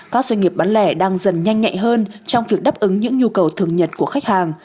các doanh nghiệp bán lẻ đang dần nhanh nhạy hơn trong việc đáp ứng những nhu cầu thường nhật của khách hàng